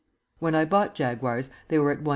When I bought Jaguars they were at 1 1 1/16.